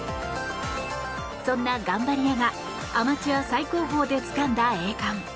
そんな頑張り屋がアマチュア最高峰でつかんだ栄冠。